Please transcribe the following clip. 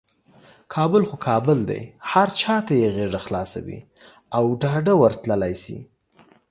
کابل خو کابل دی، هر چاته یې غیږه خلاصه وي او ډاده ورتللی شي.